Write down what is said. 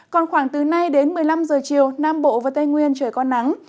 còn khoảng từ nay đến một mươi năm giờ chiều nam bộ và tây nguyên trời có nắng